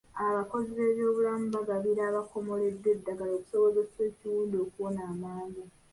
Abakozi b'ebyobulamu bagabira abakomoleddwa eddagala okusobozesa ekiwundu okuwona amangu.